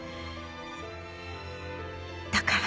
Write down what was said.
だから。